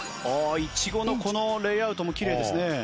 ああイチゴのこのレイアウトもきれいですね。